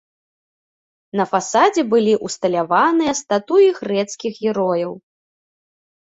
На фасадзе былі ўсталяваныя статуі грэцкіх герояў.